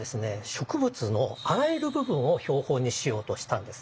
植物のあらゆる部分を標本にしようとしたんですね。